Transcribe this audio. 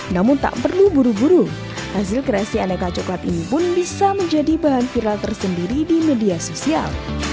namun tak perlu buru buru hasil kreasi aneka coklat ini pun bisa menjadi bahan viral tersendiri di media sosial